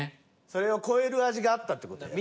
それを超える味があったって事や。